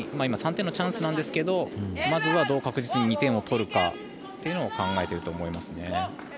今、３点のチャンスなんですがまずはどう確実に２点を取るかというのを考えていると思います。